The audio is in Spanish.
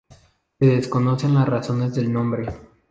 Se desconocen las razones del nombre.